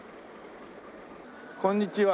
こんにちは。